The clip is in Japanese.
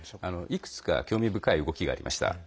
いくつか興味深い動きがありました。